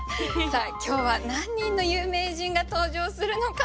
今日は何人の有名人が登場するのか。